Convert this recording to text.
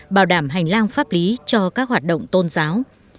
bảo đảm hành lang pháp lý cho các hoạt động tôn giáo